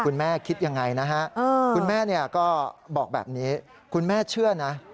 คุณแม่คิดยังไงนะฮะคุณแม่ก็บอกแบบนี้คุณแม่เชื่อนะ